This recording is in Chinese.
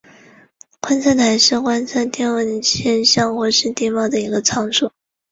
观测台是观测天文现象或是地貌的一个场所。